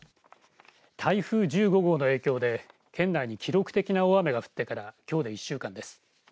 台風１５号の影響で県内に記録的な大雨が降ってからきょうで１週間です。